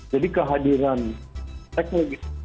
jadi kehadiran teknologi